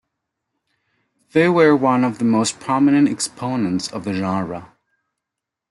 They were one of the most prominent exponents of the genre.